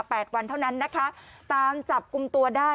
แปดวันเท่านั้นนะคะตามจับกลุ่มตัวได้